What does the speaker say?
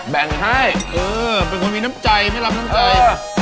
แบ่งให้เออเป็นคนมีน้ำใจไม่รับน้ำใจ